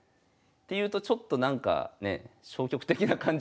っていうとちょっとなんかね消極的な感じもしますけど。